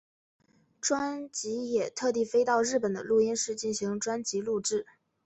专辑也特地飞到日本的录音室进行专辑录制。